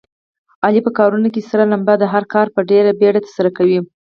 علي په کارونو کې سره لمبه دی. هر کار په ډېره بیړه ترسره کوي.